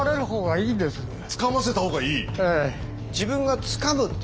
つかませた方がいい？